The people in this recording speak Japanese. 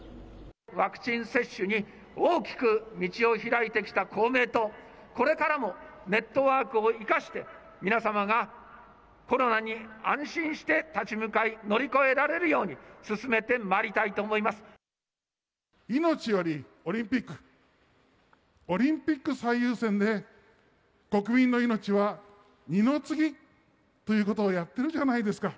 ワクチン接種に大きく道を開いてきた公明党、これからもネットワークを生かして、皆様がコロナに安心して立ち向かい、乗り越えられるように、命よりオリンピック、オリンピック最優先で、国民の命は二の次ということをやっているじゃないですか。